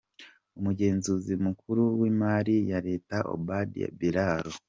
Umugenzuzi mukuru w’ imari ya Leta Obadiah Biraro